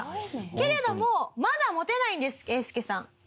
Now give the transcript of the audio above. けれどもまだモテないんですえーすけさん。